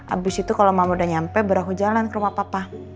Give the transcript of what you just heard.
abis itu kalau mama udah nyampe baruhu jalan ke rumah papa